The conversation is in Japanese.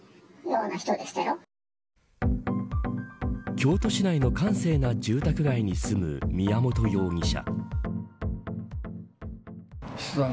京都市内の閑静な住宅街に住む宮本容疑者。